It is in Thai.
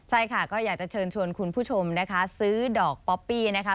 ใช่ค่ะก็อยากจะเชิญชวนคุณผู้ชมนะคะซื้อดอกป๊อปปี้นะคะ